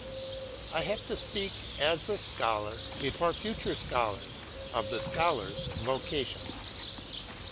I have to speak as a Scholar, before future Scholars, of the Scholar's Vocation.